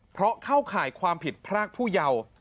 เพราะเข้าข่ายความผิดพรากผู้เยาว์